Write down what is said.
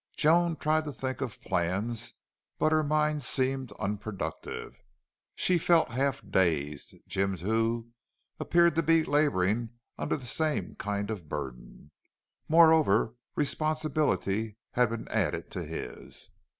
Joan tried to think of plans, but her mind seemed, unproductive. She felt half dazed. Jim, too, appeared to be laboring under the same kind of burden. Moreover, responsibility had been added to his.